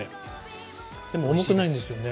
でも重くないんですよね。